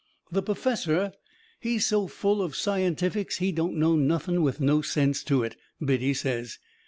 The perfessor, he's so full of scientifics he don't know nothing with no sense to it, Biddy says.